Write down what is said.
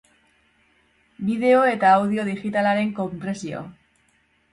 Bideo eta audio digitalaren konpresio.